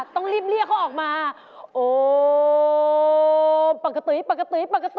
ต้องรีบเรียกเขาออกมา